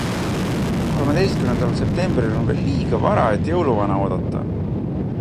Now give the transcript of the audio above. Kolmeteistkümnendal semptembril on veel liiga vara, et jõuluvana oodata.